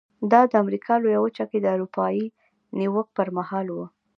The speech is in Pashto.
دا د امریکا لویه وچه کې د اروپایي نیواک پر مهال و.